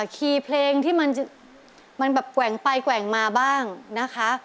คีย์เพลงที่มันแบบแกว่งไปแกว่งมาบ้างนะคะ